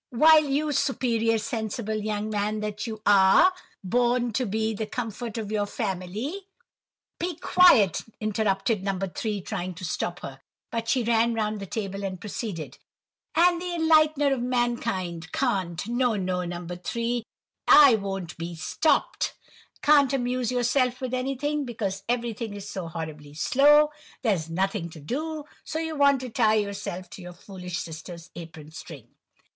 "—while you, superior, sensible young man that you are, born to be the comfort of your family—" "Be quiet!" interrupted No. 3, trying to stop her; but she ran round the table and proceeded:— "—and the enlightener of mankind; can't—no, no, No. 3, I won't be stopt!—can't amuse yourself with anything, because everything is so 'horribly slow, there's nothing to do,' so you want to tie yourself to your foolish sister's apron string."